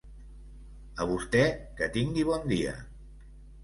A vostè, que tingui bon dia.